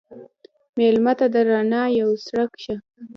مېلمه ته د رڼا یو څرک شه.